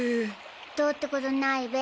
どうってことないべ。